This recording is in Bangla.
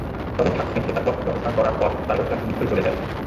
তবে থাকসিনকে তার পদ থেকে অপসারণ করার পর তার অধিকাংশ মিত্রই চলে যায়।